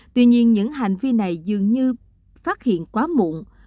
tuy nhiên những hành vi này dường như phát hiện quá muộn